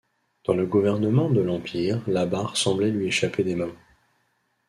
Dans le gouvernement de l'Empire la barre semblait lui échapper des mains.